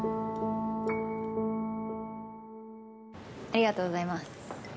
ありがとうございます。